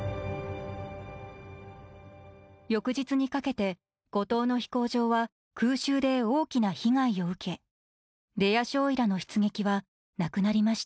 翌日にかけて後藤野飛行場は空襲で大きな被害を受け出谷少尉らの出撃はなくなりました。